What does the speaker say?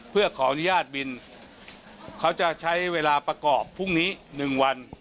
เพื่อขออนุญาตบินเขาจะใช้เวลาประกอบพรุ่งนี้๑วัน